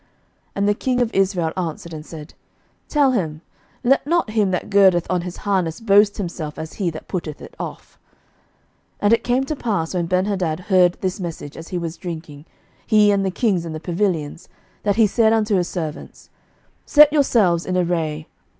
11:020:011 And the king of Israel answered and said, Tell him, Let not him that girdeth on his harness boast himself as he that putteth it off. 11:020:012 And it came to pass, when Ben hadad heard this message, as he was drinking, he and the kings in the pavilions, that he said unto his servants, Set yourselves in array.